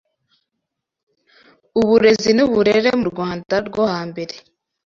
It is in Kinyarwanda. Uburezi n’uburere mu Rwanda rwo hambere